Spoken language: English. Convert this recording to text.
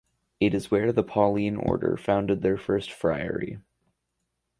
It is where the Pauline Order founded their first friary.